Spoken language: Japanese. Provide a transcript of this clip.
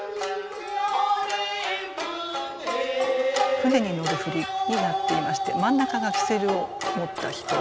舟に乗る振りになっていまして真ん中がキセルを持った人で。